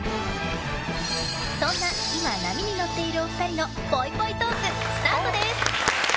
そんな今、波に乗っているお二人のぽいぽいトーク、スタートです。